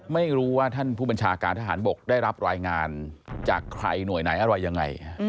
ไม่รู้ว่าท่านผู้บัญชาการทหารบกได้รับรายงานจากใครหน่วยไหนอะไรยังไง